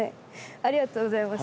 ありがとうございます